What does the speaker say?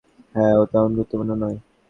হ্যাঁ, ও তেমন গুরুত্বপূর্ণ নয়।